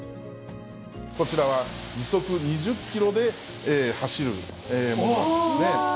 こちらは時速２０キロで走るものなんですね。